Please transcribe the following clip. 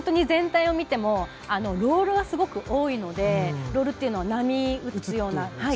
全体を見てもロールがすごく多いのでロールというのは波打つような。